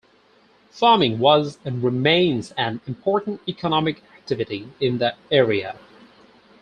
Farming was, and remains, an important economic activity in the area.